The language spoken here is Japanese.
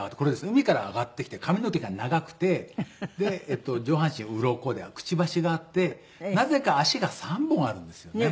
海から上がってきて髪の毛が長くて上半身鱗でくちばしがあってなぜか足が３本あるんですよね。